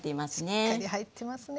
しっかり入ってますね。